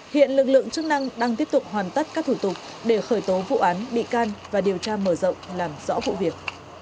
hiện lực lượng chức năng đang tiếp tục hoàn tất các thủ tục để khởi tố vụ án bị can và điều tra mở rộng làm rõ vụ việc